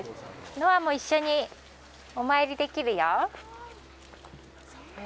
ノアも一緒にお参りできるよ。